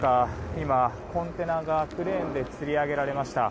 今、コンテナがクレーンでつり上げられました。